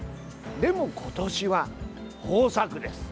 でも今年は豊作です。